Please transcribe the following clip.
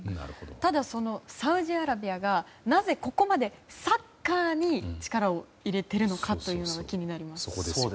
ただ、サウジアラビアがなぜここまでサッカーに力を入れているのかというのが気になりますね。